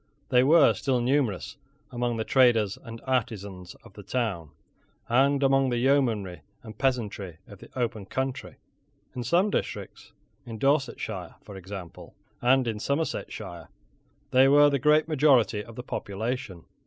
They were still numerous among the traders and artisans of the towns, and among the yeomanry and peasantry of the open country. In some districts, in Dorsetshire for example, and in Somersetshire, they were the great majority of the population.